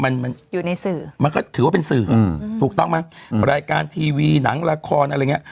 มันมันอยู่ในสื่อมันก็ถือว่าเป็นสื่ออืมถูกต้องไหมรายการทีวีหนังละครอะไรอย่างเงี้